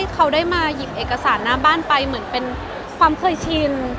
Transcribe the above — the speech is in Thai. เขาได้มาหยิบเอกสารหน้าบ้านไปเหมือนเป็นความเคยชิน